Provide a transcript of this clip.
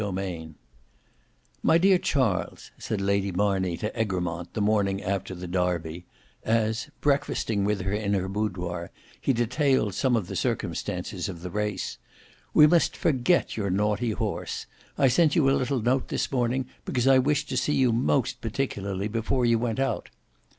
Book 1 Chapter 4 "My dear Charles," said Lady Marney to Egremont the morning after the Derby, as breakfasting with her in her boudoir he detailed some of the circumstances of the race, "we must forget your naughty horse. I sent you a little note this morning, because I wished to see you most particularly before you went out.